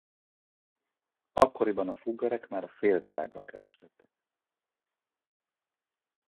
Akkoriban a Fuggerek már a fél világgal kereskedtek.